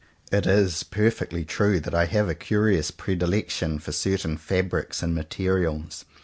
It is perfectly true that I have a curious predilection for certain fabrics and mater ials.